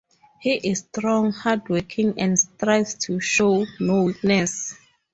He is strong, hard-working, and strives to show no weakness.